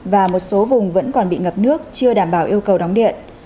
và một số vùng vẫn còn bị ngập nước chưa đảm bảo yêu cầu đóng điện